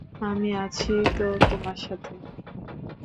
আমি আছি তো তোমার সাথে!